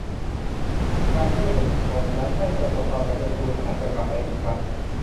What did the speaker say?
การเยี่ยมชมนั้นไม่ประสบความสำเร็จคุณอาจจะกลับไปอีกครั้ง ?